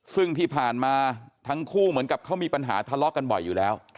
ซึ่งที่ผ่านมาทั้งคู่เหมือนกับเขามีปัญหาทะเลาะกันบ่อยอยู่แล้ว